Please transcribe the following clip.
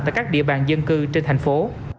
tại các địa bàn dân cư trên thành phố